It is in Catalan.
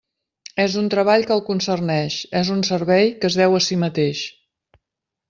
És un treball que el concerneix, és un servei que es deu a si mateix.